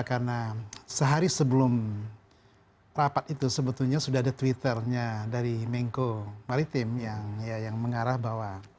karena sehari sebelum rapat itu sebetulnya sudah ada twitternya dari menko maritim yang mengarah bahwa